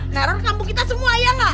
neror kampung kita semua ya enggak